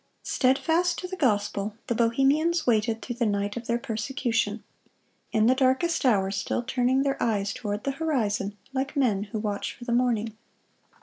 Steadfast to the gospel, the Bohemians waited through the night of their persecution; in the darkest hour still turning their eyes toward the horizon like men who watch for the morning.